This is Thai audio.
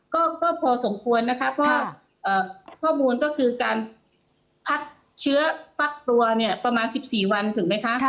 ก็พอสมควรนะคะเพราะข้อมูลก็คือการพักเชื้อพักตัวเนี่ยประมาณ๑๔วันถูกไหมคะ